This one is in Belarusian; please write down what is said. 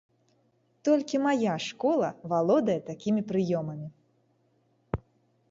Толькі мая школа валодае такімі прыёмамі!